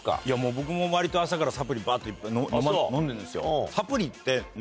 僕も割と朝からサプリバっといっぱい飲んでるんですよ。